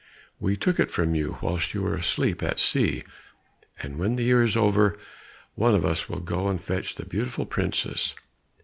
We took it from you whilst you were asleep at sea, and when a year is over, one of us will go and fetch the beautiful princess.